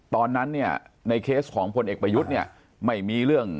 ตอนนั้นในเคสของผลเอกประยุทธ์ไม่มีเรื่อง